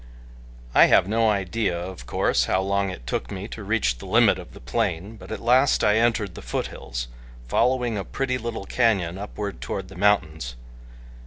I have no idea, of course, how long it took me to reach the limit of the plain, but at last I entered the foothills, following a pretty little canyon upward toward the mountains.